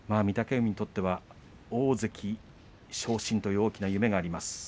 御嶽海にとっては大関昇進という大きな夢があります。